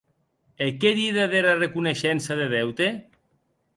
E qué díder dera reconeishença de deute?